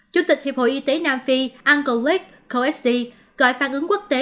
chủ tịch hiệp hội y tế nam phi angelic coexi gọi phản ứng quốc tế